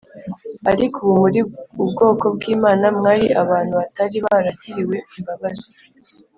ariko ubu muri ubwoko bw Imana mwari abantu batari baragiriwe imbabazi